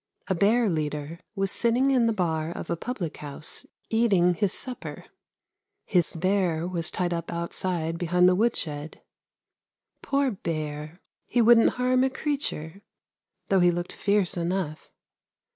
A bear leader was sitting in the bar of a public house eating his supper; his bear was tied up outside behind the wood shed. Poor bear ! he wouldn't harm a creature, though he looked fierce enough.